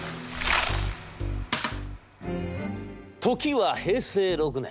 「時は平成６年。